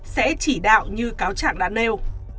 sẽ chỉ đạo như cáo trạng đã nêu